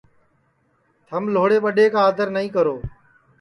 تھم لھوڑے ٻڈؔے کا آدر نائیں کرو